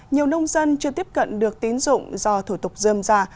nhiều nông dân chưa tiếp cận được tín dụng do thủ tục dơm ra